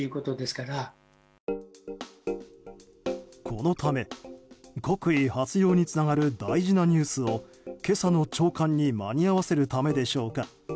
このため、国威発揚につながる大事なニュースを今朝の朝刊に間に合わせるためでしょうか。